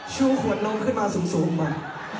ชุดขวดน้องขึ้นมาสูงมา